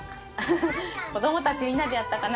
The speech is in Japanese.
子供たちみんなでやったかな。